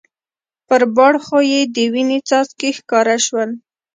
پر باړخو یې د وینې څاڅکي ښکاره شول.